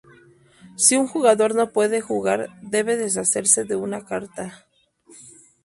Si un jugador no puede jugar debe deshacerse de una carta.